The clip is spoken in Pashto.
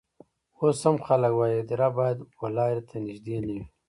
اوس هم خلک وايي هدیره باید و لاري ته نژدې نه وي.